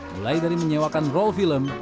mulai dari menyewakan role film